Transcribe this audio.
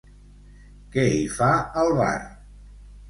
Què hi fa, al bar?